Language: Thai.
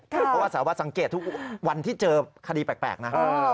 เพราะสารวัตรสังเกตุทุกวันที่เจอคดีแปลกนะครับ